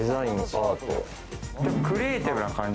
クリエイティブな感じ。